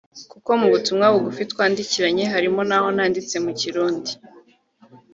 kuko mu butumwa bugufi twandikiranye harimo n’aho nanditse mu Kirundi